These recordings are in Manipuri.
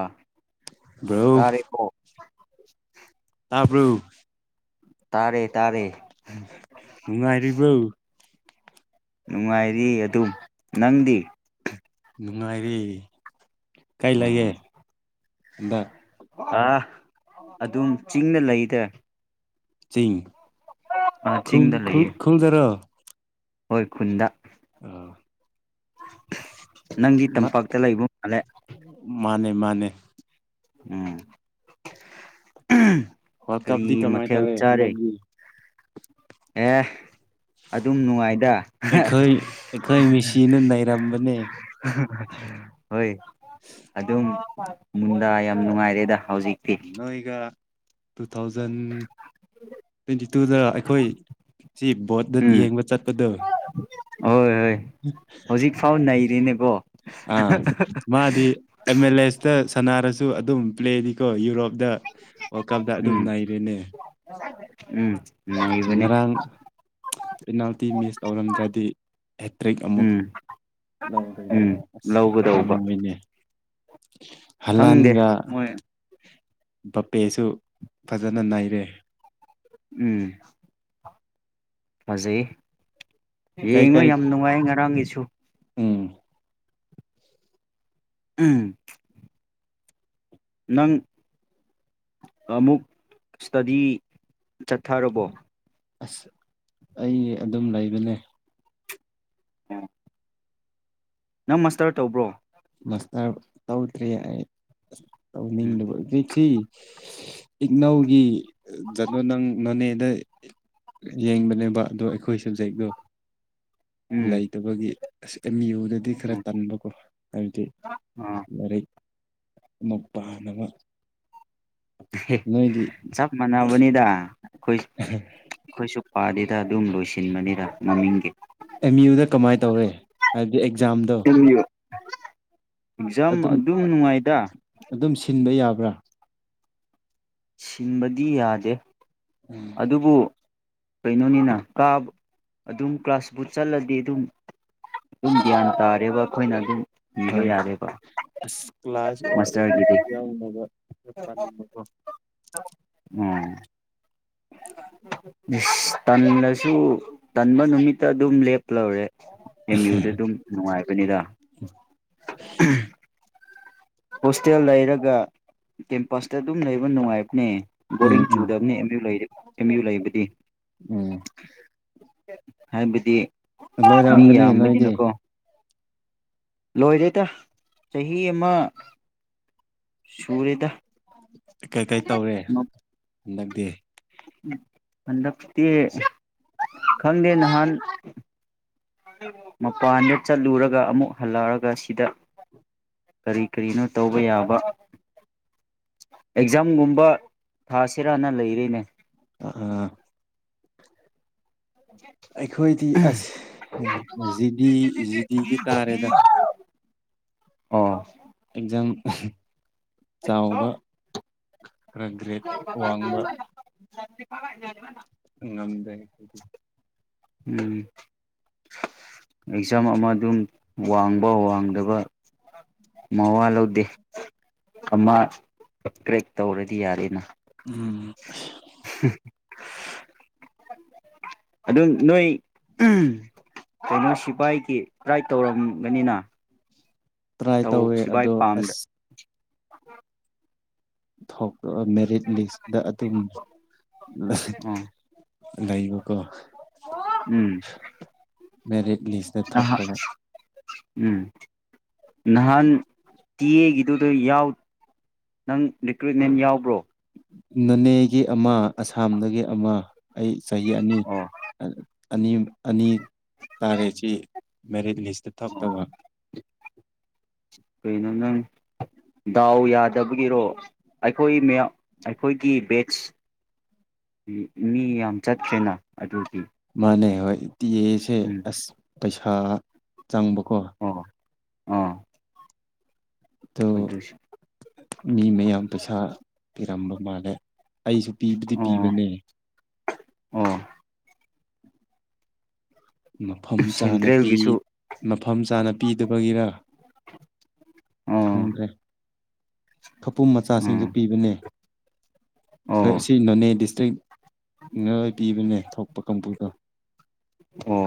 ꯑꯥ ꯕ꯭ꯔꯣ ꯇꯥꯔꯦꯀꯣ ꯇꯥꯕ꯭ꯔꫭ ꯇꯥꯔꯦ ꯇꯥꯔꯦ ꯅꯨꯡꯉꯥꯏꯔꯤꯕ꯭ꯔꫭ ꯅꯨꯡꯉꯥꯏꯔꯤ ꯑꯗꯨꯝ ꯅꯪꯗꯤ ꯅꯨꯡꯉꯥꯏꯔꯤ ꯀꯥꯏ ꯑꯣ ꯂꯩꯌꯦ‌ꯍꯟꯗꯛ ꯑꯥ ꯑꯗꯨꯝ ꯏꯪꯅ ꯂꯩꯇꯦ ꯆꯤꯡ ꯆꯤꯡꯗ ꯂꯩꯌꯦ ꯈꯪꯜꯗꯔꯣ ꯍꯣꯏ ꯈꯨꯟꯗ ꯑꯥ ꯅꯪꯗꯤ ꯇꯝꯄꯥꯛꯇ ꯂꯩꯕ ꯃꯥꯜꯂꯦ ꯃꯥꯅꯦ ꯃꯥꯅꯦ ꯎꯝ ꯋꯥꯜ ꯀꯔꯤ ꯇꯞꯗꯤ ꯀꯃꯥꯏꯅ ꯃꯊꯦꯜ ꯇꯧꯋꯦ ꯆꯥꯔꯦ ꯍꯟꯗꯛꯗꯤ ꯑꯦ ꯑꯗꯨꯝ ꯅꯨꯡꯉꯥꯏꯗ ꯑꯩꯈꯣꯏ ꯑꯩꯈꯣꯏ ꯃꯤꯁꯤꯅ ꯅꯩꯔꯝꯕꯅꯦ ꯍꯣꯏ ꯑꯗꯨꯝ ꯃꯨꯟꯗꯥ ꯌꯥꯝ ꯅꯨꯡꯉꯥꯏꯔꯦꯗ ꯍꯧꯖꯤꯛꯇꯤ ꯅꯣꯏꯒ ꯇꯨ ꯊꯥꯎꯖꯟ ꯇ꯭ꯋꯦꯟꯇꯤ ꯇꯨꯗ ꯑꯩꯈꯣꯏ ꯁꯤ ꯕꯣꯠꯇ ꯎꯝ ꯌꯦꯡꯕ ꯆꯠꯄꯗꯣ ꯍꯣꯏ ꯍꯣꯏ ꯍꯧꯖꯤꯛ ꯐꯥꯎ ꯅꯩ ꯗꯤꯅꯤꯞ ꯑ ꯃꯥꯗꯤ ꯑꯦꯝ ꯑꯦꯜ ꯑꯦꯁꯇ ꯁꯅꯔꯁꯨ ꯁꯨ ꯑꯗꯨꯝ ꯄ꯭ꯂꯦꯗꯤꯀꯣ ꯌꯨꯔꯣꯞ ꯗ ꯋꯥꯔꯜ ꯀꯞꯇ ꯑꯗꯨꯝ ꯎꯝ ꯅꯩꯔꯦꯅꯦ ꯎꯝ ꯅꯩꯕꯅꯦ ꯉꯔꯥꯡ ꯄꯦꯅꯥꯜꯇꯤ ꯃꯤꯁ ꯇꯧꯔꯝꯗ꯭ꯔꯗꯤ ꯍꯦꯇ꯭ꯔꯤꯛ ꯑꯃꯨꯛ ꯎꯝ ꯎꯝ ꯂꯧꯔ ꯑꯁ ꯂꯧꯒꯗꯧꯕ ꯄꯥꯝꯃꯨꯕꯩꯅꯦ ꯍꯂꯥꯟ ꯈꯪꯗꯦ ꯒꯥ ꯃꯣꯏ ꯕꯄꯦꯁꯨ ꯐꯖꯅ ꯅꯩꯔꯦ ꯎꯝ ꯐꯖꯩ ꯌꯦꯡꯉꯣ ꯀꯩꯀꯩ ꯌꯥꯝ ꯅꯨꯡꯉꯥꯏ ꯉꯔꯥꯡꯒꯤꯁꯨ ꯁꯨ ꯎꯝ ꯎꯝ ꯅꯪ ꯑꯃꯨꯛ ꯁꯇꯗꯤ ꯆꯠꯊꯔꯕꯣ ꯑꯁ ꯑꯩ ꯑꯗꯨꯝ ꯂꯩꯕꯅꯦ [inaudible] ꯅꯪ ꯃꯁꯇꯔ ꯇꯧꯕ꯭ꯔꯣ ꯃꯁꯇꯔ ꯇꯧꯗ꯭ꯔꯤ ꯑꯩ ꯎꯝ [unintelligible] ꯏꯛꯅꯧꯒꯤ ꯖꯅꯣ ꯅꯪ ꯅꯣꯅꯦꯗ ꯌꯦꯡꯕꯅꯦꯕ ꯑꯗꯣ ꯑꯩꯈꯣꯏ ꯁꯕꯖꯦꯛꯇꯣ ꯎꯝ ꯂꯩꯇꯕꯒꯤ ꯑꯁ ꯑꯦꯝ ꯌꯨꯗꯗꯤ ꯈꯔ ꯇꯟꯕꯀꯣ ꯍꯥꯏꯗꯤ ꯑꯣ ꯃꯨꯄꯥꯟꯅꯕ ꯆꯞ ꯃꯥꯟꯅꯕꯅꯤꯗ ꯑꯩꯈꯣꯏ ꯑꯩꯈꯣꯏꯁꯨ ꯄꯗꯤꯗ ꯑꯗꯨꯝ ꯂꯣꯏꯁꯤꯟꯕꯅꯤ ꯃꯃꯤꯡꯒꯤ ꯑꯦꯝ ꯌꯨꯗ ꯀꯃꯥꯏꯅ ꯇꯧꯔꯦ ꯍꯥꯏꯕꯗꯤ ꯑꯦꯛꯖꯥꯝꯗꯣ ꯑꯦꯛꯖꯥꯝ ꯑꯗꯨꯝ ꯅꯨꯡꯉꯥꯏꯗ ꯊꯤꯟꯕ ꯌꯥꯕ꯭ꯔꯥ ꯁꯤꯟꯕꯗꯤ ꯌꯥꯗꯦ ꯎꯝ ꯑꯗꯨꯕꯨ ꯀꯩꯅꯣꯅꯤꯅ ꯀꯥꯕ ꯑꯗꯨꯝ ꯀ꯭ꯂꯥꯁ ꯕꯨꯠ ꯆꯠꯂꯗꯤ ꯑꯗꯨꯝ ꯑꯗꯨꯝ ꯒ꯭ꯌꯥꯟ ꯇꯥꯔꯦꯕ ꯑꯩꯈꯣꯏꯅ ꯑꯗꯨꯝ ꯏꯕ ꯍꯣꯏ ꯌꯥꯔꯦꯕ ꯑ ꯀ꯭ꯂꯥꯁꯨꯛꯇ ꯃꯥꯁꯇꯔꯒꯤꯗꯤ ꯌꯥꯎ [unintelligible] ꯀꯣ ꯎꯝ ꯇꯜꯂꯁꯨ ꯇꯟꯕ ꯅꯨꯃꯤꯠꯇ ꯑꯗꯨꯝ ꯂꯦꯞ ꯂꯧꯔꯦ ꯑꯦꯝ ꯌꯨꯗ ꯑꯗꯨꯝ ꯅꯨꯡꯉꯥꯏꯕꯅꯤꯗ [unintelligible] ꯍꯣꯁꯇꯦꯜ ꯂꯩꯔꯒ ꯇꯦꯝꯄꯁ ꯑꯗꯨꯝ ꯂꯩꯕ ꯅꯨꯡꯉꯥꯏꯕꯅꯦ ꯎꯝ ꯕꯣꯔꯤꯡ ꯎꯝ ꯆꯨꯗꯕꯅꯦ ꯑꯦꯝꯨ ꯑꯦꯝ ꯌꯨ ꯂꯩꯕꯗꯤ ꯎꯝ ꯍꯥꯏꯕꯗꯤ ꯃꯤ ꯂꯣꯏꯔꯝꯒꯅꯤ ꯅꯣꯏꯗꯤ ꯌꯥꯝꯕꯅꯤꯅꯀꯣ ꯂꯣꯏꯔꯦꯗ ꯆꯍꯤ ꯑꯃ ꯁꯨꯔꯦꯗ ꯀꯩꯀꯩ ꯇꯧꯔꯦ ꯅꯪ ꯗꯦ ꯍꯟꯗꯛꯇꯛꯇꯤ ꯈꯪꯗꯦ ꯅꯍꯥꯟ ꯃꯄꯥꯟꯗ ꯆꯠꯂꯨꯔꯒ ꯑꯃꯨꯛ ꯍꯜꯂꯛꯑꯒ ꯁꯤꯗ ꯀꯔꯤ ꯀꯔꯤꯅꯣ ꯇꯧꯕ ꯌꯥꯕ ꯑꯦꯛꯖꯥꯝꯒꯨꯝꯕ ꯊꯥꯁꯤꯔꯥꯅ ꯂꯩꯔꯤꯅꯦ ꯑꯥ ꯑꯩꯈꯣꯏꯗꯤ ꯑꯁ ꯖꯤꯗꯤ ꯖꯤꯗꯤꯒꯤ ꯇꯥꯔꯦꯗ ꯑꯣ ꯑꯦꯛꯖꯝ ꯆꯥꯎꯕ ꯈꯔ ꯒ꯭ꯔꯦꯠ ꯋꯥꯡꯕ [unintelligible] ꯉꯝꯗꯦ ꯎꯝ ꯑꯦꯛꯖꯥꯝ ꯑꯃ ꯑꯗꯨꯝ ꯋꯥꯡꯕ ꯋꯥꯡꯗꯕ ꯃꯋꯥ ꯂꯧꯗꯦ ꯑꯃ ꯇꯔꯦꯛ ꯇꯧꯔꯗꯤ ꯌꯥꯔꯦꯅ ꯎꯝ ꯑꯁ ꯑꯗꯨꯝ ꯅꯣꯏ ꯎꯝ ꯀꯩꯅꯣ ꯁꯤꯐꯥꯏꯒꯤ ꯇꯔꯥꯏ ꯇꯧꯔꯝꯒꯅꯤꯅ ꯇ꯭ꯔꯥꯏ ꯇꯧ ꯇꯧꯋꯦ ꯁꯤꯐꯥꯏ ꯑꯗꯣ ꯄꯥꯝꯗ ꯑꯁ [inaudible] ꯊꯣꯛꯔꯣ ꯃꯦꯔꯤꯠ ꯂꯤꯁꯇ ꯑꯗꯨꯝ ꯑꯣ ꯂꯩꯕ ꯀꯣ ꯎꯝ ꯃꯦꯔꯤꯠ ꯂꯤꯁꯇ ꯅꯍ ꯊꯣꯛꯇꯕ ꯎꯝ ꯅꯍꯥꯟ ꯇꯤ ꯑꯦꯒꯤꯗꯨꯗ ꯌꯥꯎ ꯅꯪ ꯔꯤꯀ꯭ꯔꯨꯏꯠꯃꯦꯟ ꯌꯥꯎꯕ꯭ꯔꯣ ꯅꯣꯅꯦꯒꯤ ꯑꯃ ꯑꯁꯥꯝꯗꯒꯤ ꯑꯃ ꯑꯩ ꯆꯍꯤ ꯑꯅꯤ ꯑꯣ ꯑ ꯑꯅꯤ ꯑꯅꯤ ꯇꯔꯦꯁꯤ ꯃꯦꯔꯤꯠ ꯂꯤꯁꯇ ꯊꯣꯛꯇꯕ ꯀꯩꯅꯣ ꯅꯪ ꯗꯥꯎ ꯌꯥꯗꯕꯒꯤꯔꯣ ꯑꯩꯈꯣꯏ ꯃꯌꯥꯝ ꯑꯩꯈꯣꯏꯒꯤ ꯕꯦꯁ ꯃꯤ ꯌꯥꯝ ꯆꯠꯇꯈ꯭ꯔꯦꯅ ꯑꯗꯨꯗꯤ ꯃꯥꯅꯦ ꯍꯣꯏ ꯇꯤꯑꯦꯁꯦ ꯑꯁ ꯄꯩꯁꯥ ꯆꯪꯕꯀꯣ ꯑꯣ ꯑꯥ ꯇꯨ ꯑꯗꯨꯁꯨ ꯃꯤ ꯃꯌꯥꯝ ꯄꯩꯁꯥ ꯄꯤ ꯇꯝꯕ ꯃꯥꯂꯦ ꯑꯩꯁꯨ ꯄꯤꯕꯨꯗꯤ ꯄꯤꯕꯅꯦ ꯎꯝ ꯃꯐꯝ ꯆꯥꯅ ꯁꯦꯟꯇ꯭ꯔꯦꯜꯒꯤꯁꯨ ꯃꯐꯝ ꯆꯥꯅ ꯄꯤꯗꯕꯒꯤꯔ ꯑꯣ ꯈꯪꯗ꯭ꯔꯦ ꯈꯄꯨꯝ ꯃꯆꯥꯁꯤꯡꯗꯨ ꯎꯝ ꯄꯤꯕꯅꯦ ꯑꯣ ꯍꯣꯏ ꯑꯁꯤ ꯅꯣꯅꯦ ꯗꯤꯁꯇ꯭ꯔꯤꯛꯅꯣꯏ ꯄꯤꯕꯅꯦ ꯊꯣꯛꯄ ꯀꯥꯡꯕꯨꯗꯣ ꯑꯣ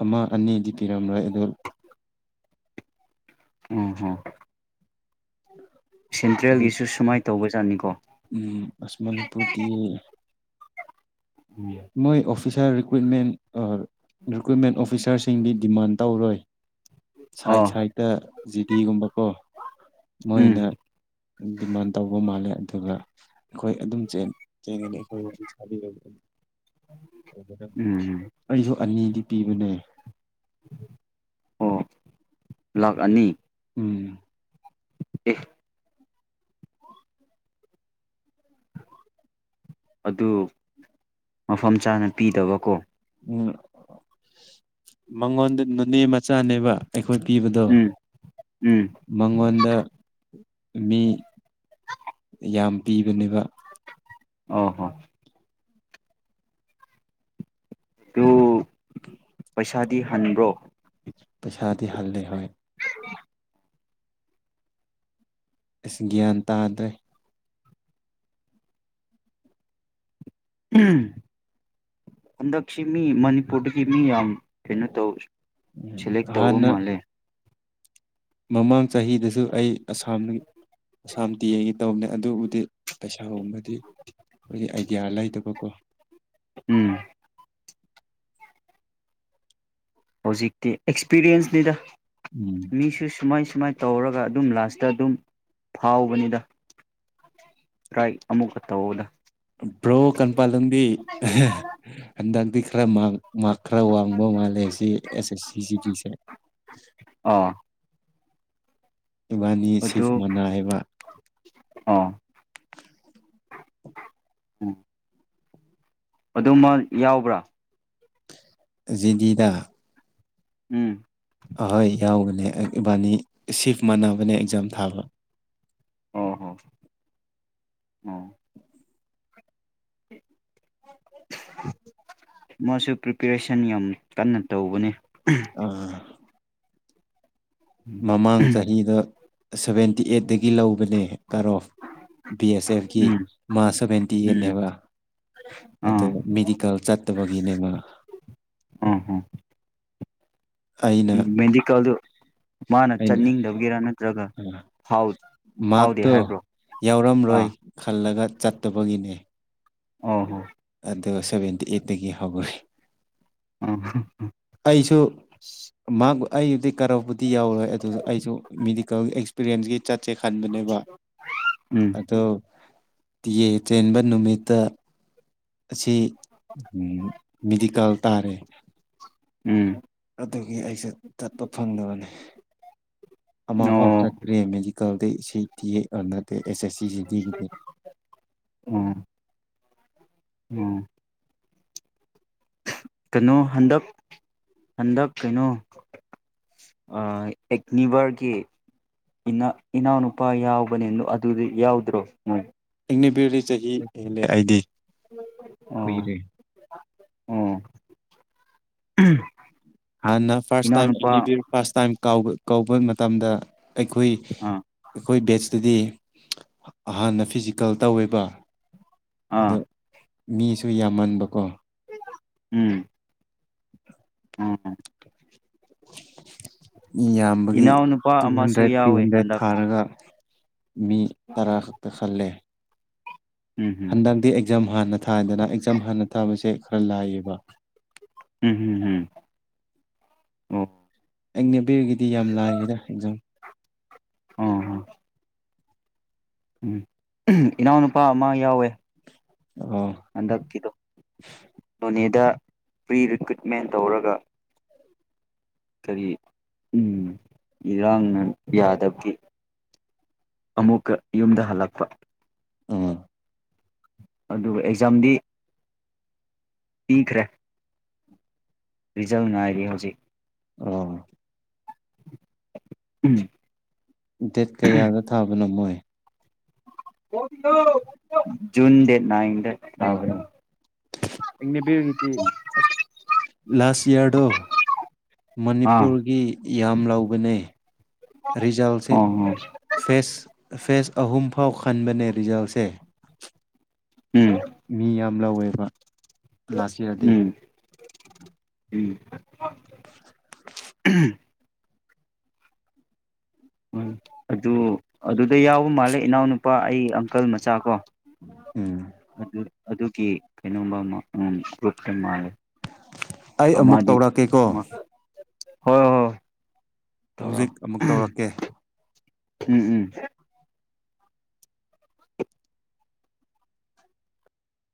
ꯑꯃ ꯑꯅꯤ ꯀꯤꯔꯝ ꯔ ꯑꯦꯗꯣꯜ ꯎꯝ ꯍꯝ ꯍꯥꯏꯗꯤ ꯁꯦꯟꯇ꯭ꯔꯦꯜꯒꯤꯁꯨ ꯁꯨꯃꯥꯏ ꯇ ꯇꯧꯕꯖꯥꯠꯅꯤꯀꯣ ꯎꯝ ꯑꯁ ꯃꯅꯤꯄꯨꯔꯗꯤ ꯃꯣꯏ ꯑꯣꯐꯤꯁꯤꯁꯔ ꯀꯨꯏꯠꯃꯦꯜ ꯔꯤꯀ꯭ꯨꯋꯏꯃꯦꯟ ꯑꯣꯐ ꯑꯣꯐꯤꯁꯥꯔꯁꯤꯡꯗꯤ ꯗꯤꯃꯥꯟ ꯇꯧꯔꯣꯏ ꯁꯥꯏꯠ ꯑꯣ ꯁꯥꯏꯠꯇ ꯖꯤꯗꯤꯒꯨꯝꯕꯀꯣ ꯃꯣꯏꯅ ꯎꯝ ꯗꯤꯃꯥꯟ ꯇꯧꯕ ꯃꯥꯜꯂꯦ ꯑꯗꯨꯒ ꯑꯩꯈꯣꯏ ꯑꯗꯨꯝꯦꯟ ꯆꯦꯟꯒꯅꯤ ꯑꯩꯈꯣꯏ ꯋꯥꯔꯤ ꯁꯥꯕꯤꯔ ꯎꯝ ꯎꯝ ꯑꯁꯨ ꯑꯅꯤꯗꯤ ꯄꯤꯕꯅꯦ ꯑꯣ ꯂꯥꯛ ꯑꯅꯤ ꯎꯝ ꯑꯦ ꯑꯗꯨ ꯃꯐꯝ ꯆꯥꯅ ꯄꯤꯗꯕꯀꯣ ꯎꯝ ꯃꯉꯣꯟꯗ ꯅꯣꯅꯦ ꯃꯆꯥꯅꯦꯕ ꯈꯨꯨꯠꯄꯤꯕꯗꯣ ꯎꯝ ꯎꯝ ꯃꯉꯣꯟꯗ ꯃꯤ ꯌꯥꯝ ꯄꯤꯕꯅꯦꯕ ꯑ ꯍꯣ ꯑꯗꯨ ꯄꯩꯁꯥꯗꯤ ꯍꯟꯕ꯭ꯔꯣ ꯄꯩꯁꯥꯗꯤ ꯍꯜꯂꯦ ꯍꯣꯏ ꯑꯁ ꯒ꯭ꯌꯥꯟ ꯇꯥꯗ꯭ꯔꯦ ꯍꯟꯗꯛꯁꯤ ꯃꯤ ꯃꯅꯤꯄꯨꯔꯗꯒꯤ ꯃꯤ ꯌꯥꯝ ꯀꯩꯅꯣ ꯇꯧ ꯁꯦꯂꯦꯛ ꯇꯧꯕ ꯍꯅ ꯃꯥꯜꯂꯦ ꯃꯃꯥꯡ ꯆꯍꯤꯗꯁꯨ ꯑꯩ ꯑꯁꯥꯝ ꯑꯁꯥꯝꯗꯤ ꯑꯩꯒꯤ ꯇꯧꯕꯅꯦ ꯑꯗꯨꯕꯨꯗꯤ ꯄꯩꯁꯥ ꯍꯣꯡꯒ ꯑꯩꯈꯣꯏꯒꯤ ꯑꯥꯏꯗꯤꯌꯥ ꯂꯩꯗꯕ ꯀꯣ ꯎꯝ ꯍꯧꯖꯤꯛꯇꯤ ꯑꯦꯛꯁꯄꯤꯔꯤꯌꯦꯟꯁꯅꯤꯗ ꯎꯝ ꯃꯤꯁꯨ ꯁꯨꯃꯥꯏꯁꯨ ꯁꯨꯃꯥꯏꯅ ꯇꯧꯔꯒ ꯑꯗꯨꯝ ꯂꯥꯁꯇ ꯑꯗꯨꯝ ꯐꯥꯎꯕꯅꯤꯗ ꯇ꯭ꯔꯥꯏ ꯑꯃꯨꯛꯀ ꯇꯧꯕꯗ ꯕ꯭ꯔꯣ ꯀꯟꯄꯂꯝꯕꯤ ꯍꯜꯗꯛꯇꯤ ꯐ꯭ꯔꯃꯥꯡ ꯃꯥꯔ ꯈꯔ ꯋꯥꯡꯕ ꯃꯥꯜꯂꯦ ꯁꯤ ꯑꯦꯁ ꯑꯦꯁ ꯁꯤ ꯁꯤ ꯄꯤꯁꯦ ꯑꯥ ꯏꯕꯥꯅꯤ ꯁꯤꯕ ꯑꯗꯨ ꯃꯅꯥ ꯍꯕ ꯑꯥ ꯎꯝ ꯑꯗꯨꯃ ꯌꯥꯎꯕ꯭ꯔꯥ ꯖꯦꯗꯤꯗ ꯎꯝ ꯑꯍꯣꯏ ꯌꯥꯎꯕꯅꯦ ꯏꯕꯥꯅꯤ ꯁꯤꯐ ꯃꯥꯟꯅꯕꯅꯦ ꯑꯦꯛꯖꯥꯝ ꯊꯥꯕ ꯎ [unintelligible] ꯃꯥꯁꯨ ꯄ꯭ꯔꯤꯄꯦꯔꯦꯁꯟ ꯌꯥꯝ ꯀꯟꯅ ꯇꯧꯕꯅꯤ ꯑꯥ ꯃꯃꯥꯡ ꯆꯍꯤꯗ ꯁꯕꯦꯟꯇꯤ ꯑꯦꯠꯇꯒꯤ ꯒꯤ ꯂꯧꯕꯅꯦ ꯀꯔꯣꯐ ꯕꯤ ꯑꯦꯁ ꯑꯦꯐꯀꯤ ꯎꯝ ꯃꯥꯁ ꯁꯚꯦꯟꯇꯤ ꯑꯦꯠꯅꯦꯕ ꯑꯗꯣ ꯑꯥ ꯃꯦꯗꯤꯀꯦꯜ ꯆꯠꯇꯕꯒꯤꯅꯦꯕ ꯑꯥ ꯑꯥ ꯑꯩꯅ ꯃꯦꯗꯤꯀꯦꯜꯗꯨ ꯃꯥꯅ ꯑꯩꯅ ꯆꯠꯅꯤꯡꯗꯕꯒꯤꯔꯥ ꯅꯠꯇ꯭ꯔꯒ ꯑꯥ ꯐꯥꯎꯗꯦ ꯃꯥꯔꯛꯇꯣ ꯍꯥꯏꯕ꯭ꯔꯣ ꯌꯥꯎꯔꯝꯂꯣꯏ ꯑꯥ ꯈꯜꯂꯒ ꯆꯠꯇꯕꯒꯤꯅꯦ ꯑꯣ ꯍꯣ ꯑꯗꯨꯒ ꯁꯚꯦꯟꯇꯤ ꯑꯩꯠꯇꯒꯤ ꯍꯧꯈꯦ ꯑꯣ ꯑꯩꯁꯨ ꯃꯥ ꯑꯩꯗꯤ ꯀꯔꯕꯨꯗꯤ ꯌꯥꯎꯔꯣꯏ ꯑꯗꯨ ꯑꯩꯁꯨ ꯃꯦꯗꯤꯀꯦꯜꯒꯤ ꯑꯦꯛꯁꯄꯤꯔꯤꯌꯦꯟꯁꯀꯤ ꯆꯠꯁꯦ ꯈꯟꯕꯅꯦꯕ ꯎꯝ ꯑꯗꯣ ꯇꯤꯑ ꯆꯦꯟꯕ ꯅꯨꯃꯤꯠꯇ ꯑꯁꯤ ꯃꯦꯗꯤꯀꯦꯜ ꯇꯥꯔꯦ ꯎꯝ ꯑꯗꯨꯒꯤ ꯑꯩꯁ ꯆꯠꯄ ꯐꯪꯗꯕꯅꯤ ꯑꯃ ꯐ ꯑꯣ ꯆꯇꯔꯤ ꯃ ꯀ ꯁꯤꯇꯤ ꯑꯅꯗ ꯑꯦꯁ ꯑꯦ ꯁꯤꯖꯤꯗꯤ ꯎꯝ ꯀꯩꯅꯣ ꯍꯟꯗꯛ ꯍꯟꯗꯛ ꯀꯩꯅꯣ ꯑꯦꯛꯅꯤꯕꯔꯒꯤ ꯏꯅꯥ ꯏꯅꯅꯄꯥ ꯌꯥꯎꯕꯅꯦ ꯑꯗꯨꯗꯤ ꯌꯥꯎꯗ꯭ꯔꯣ ꯎ ꯃꯅꯤꯄꯨꯔꯤ ꯆꯍꯤ ꯍꯦꯜꯂꯦ ꯑꯩꯗꯤ ꯀꯨꯏꯔꯦ ꯑꯝ ꯍꯥꯟꯅ ꯐꯔꯁ ꯇꯥꯏꯝ ꯑꯒꯅꯤꯕꯤꯔ ꯐꯥꯁꯠ ꯇꯥꯏꯝ ꯀꯧꯕ ꯃꯇꯝꯗ ꯑꯩꯈꯣꯏ ꯑꯥ ꯑꯩꯈꯣꯏ ꯕꯦꯁꯇꯗꯤ ꯍꯥꯟꯅ ꯐꯤꯖꯤꯀꯦꯜ ꯇꯧꯋꯦꯕ ꯑꯥ ꯑꯗꯣ ꯃꯤꯁꯨ ꯌꯥꯝꯃꯟꯕꯀꯣ ꯎꯝ ꯎꯝ ꯃꯤ ꯌꯥꯝꯕꯒꯤ ꯏꯅꯥꯎꯅꯨꯄꯥ ꯇꯨ ꯑꯃꯁꯨ ꯍꯟꯗ꯭ꯔꯦꯠ ꯊ꯭ꯔꯤ ꯌꯥꯎꯋꯦ ꯍꯟꯗ꯭ꯔꯦꯠ ꯍꯟꯗꯛ ꯊꯥꯔꯒ ꯃꯤ ꯇꯔꯥ ꯈꯛꯇ ꯈꯜꯂꯦ ꯎꯝ ꯎꯝ ꯍꯟꯗꯛꯇꯤ ꯑꯦꯛꯖꯥꯝ ꯍꯥꯟꯅ ꯊꯥꯏꯗꯅ ꯑꯦꯛꯖꯥꯝ ꯍꯥꯟꯅ ꯊꯥꯕꯁꯦ ꯈꯜꯂꯦ ꯍꯥꯏꯔꯤꯕꯥ ꯎꯝ ꯍꯝ ꯍꯝ ꯑꯣ ꯑꯦꯅꯤꯕꯤꯔꯒꯤꯗꯤ ꯌꯥꯝ ꯂꯥꯏꯌꯦꯗ ꯑꯦꯖꯝ ꯍꯥ ꯍꯥ ꯎꯝ ꯏꯅꯥꯎꯅꯨꯄꯥ ꯑꯃ ꯌꯥꯎꯋꯦ ꯑꯣ ꯍꯟꯗꯛꯀꯤꯗꯣ ꯅꯣꯅꯦꯗꯥ ꯄ꯭ꯔꯤ ꯔꯤꯀ꯭ꯔꯨꯏꯠꯃꯦꯟ ꯇꯧꯔꯒ ꯀꯔꯤ ꯏꯔꯥꯡꯅ ꯌꯥꯗꯕꯒꯤ ꯑꯃꯨꯛꯀ ꯌꯨꯝꯗ ꯍꯜꯂꯛꯄ ꯑꯝ ꯑꯗꯨꯒ ꯑꯦꯛꯖꯥꯝꯗꯤ ꯄꯤꯈ꯭ꯔꯦ ꯔꯤꯖꯜ ꯉꯥꯏꯔꯤ ꯍꯧꯖꯤꯛ ꯑꯣ ꯎꯝ ꯗꯦꯠ ꯀꯌꯥꯗ ꯊꯥꯕꯅꯣ ꯃꯣꯏ ꯖꯨꯟ ꯗꯦꯠ ꯅꯥꯏꯟ ꯑꯣꯍꯣ ꯑꯛꯅꯤꯕꯤꯔꯒꯤꯗꯤ ꯑꯁ ꯂꯥꯁ ꯏꯌꯥꯔꯗꯣ ꯑꯥ ꯃꯅꯤꯄꯨꯔꯒꯤ ꯌꯥꯝ ꯂꯧꯕꯅꯦ ꯔꯤꯖꯜꯁꯦ ꯑꯣ ꯑꯣ ꯐꯦꯁ ꯐꯦꯁ ꯑꯍꯨꯝ ꯐꯥꯎ ꯈꯟꯕꯅꯦ ꯔꯤꯖꯜꯁꯦ ꯎꯝ ꯃꯤ ꯌꯥꯝ ꯂꯧꯋꯦꯕ ꯂꯥꯁꯏꯔꯗꯤ ꯎꯝ ꯎꯝ ꯎꯝ ꯎ ꯑꯗꯨ ꯑꯗꯨꯗ ꯌꯥꯎꯕ ꯃꯥꯜꯂꯦ ꯏꯅꯥꯎꯅꯨꯄꯥ ꯑꯩ ꯑꯪꯀꯜ ꯃꯆꯥ ꯀꯣ ꯎꯝ ꯑꯗꯨ ꯑꯗꯨꯒꯤ ꯀꯩꯅꯣꯝꯕ ꯑꯃ ꯀ꯭ꯛꯇ ꯃꯥꯦ ꯑꯩ ꯑꯃꯨꯛ ꯇꯧꯔꯛꯀꯦꯀꯣ ꯍꯣꯏ ꯍꯣꯏ ꯇꯧꯔꯣ ꯍꯧꯖꯤꯛ ꯑꯃꯨꯛ ꯇꯧꯔꯛꯀꯦ ꯎꯝ ꯎꯝ